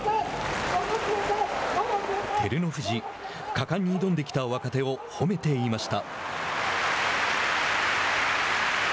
照ノ富士果敢に挑んできた若手を褒めていました。